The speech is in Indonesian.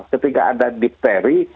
ketika anda dipteri